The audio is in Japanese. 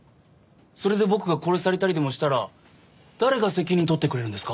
それで僕が殺されたりでもしたら誰が責任取ってくれるんですか？